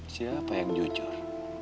siapa yang jujur